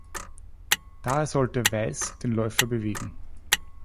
Daher sollte Weiß den Läufer bewegen.